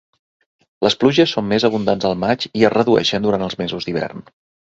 Les pluges són més abundants al maig i es redueixen durant els mesos d'hivern.